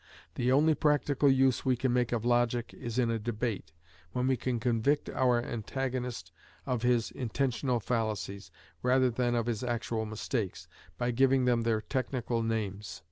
The only practical use we can make of logic is in a debate, when we can convict our antagonist of his intentional fallacies, rather than of his actual mistakes, by giving them their technical names.